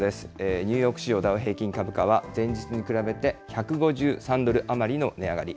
ニューヨーク市場ダウ平均株価は、前日に比べて、１５３ドル余りの値上がり。